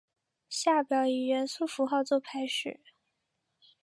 下表以元素符号作排序。